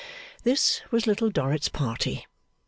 This was Little Dorrit's party.